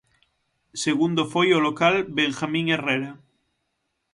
Segundo foi o local Benjamín Herrera.